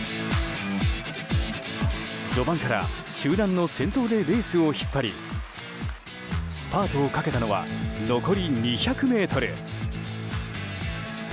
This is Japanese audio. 序盤から集団の先頭でレースを引っ張りスパートをかけたのは残り２００ｍ。